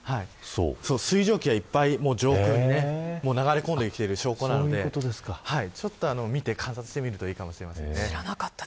水蒸気がいっぱい上空に流れ込んできている証拠なのでちょっと観察してみるといいかもしれないです。